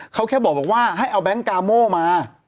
เขาแค่บอกว่าให้เอาแก๊งกาโม่มา